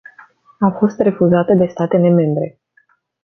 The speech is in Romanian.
A fost refuzată de statele membre.